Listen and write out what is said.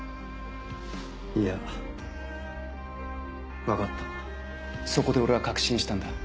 いや分かったそこで俺は確信したんだ。